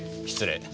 失礼。